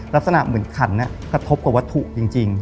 ลักษณะเหมือนขันกระทบกับวัตถุจริง